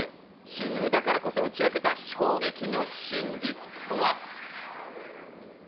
親友だからこそ打ち明けた衝撃の真実とは？